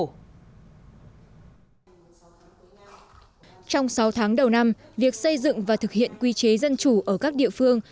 trong sáu tháng đầu năm việc xây dựng và thực hiện quy chế dân chủ ở các địa phương